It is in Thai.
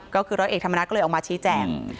ก็คือร้อยเอกธรรมนัฐก็เลยออกมาชี้แจ่ง